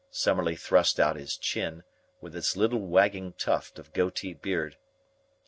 Summerlee thrust out his chin, with its little wagging tuft of goatee beard.